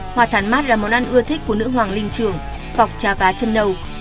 hoa thàn mát là món ăn ưa thích của nữ hoàng linh trường vọc trà vá chân nâu